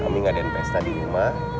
kami ngadain pesta di rumah